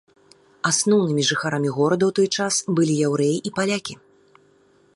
Асноўнымі жыхарамі горада ў той час былі яўрэі і палякі.